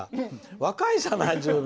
若いじゃない、十分！